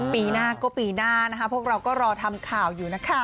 ปีหน้าก็ปีหน้านะคะพวกเราก็รอทำข่าวอยู่นะคะ